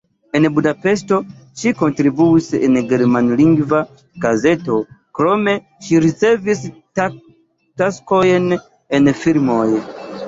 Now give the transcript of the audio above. En Budapeŝto ŝi kontribuis en germanlingva gazeto, krome ŝi ricevis taskojn en filmoj.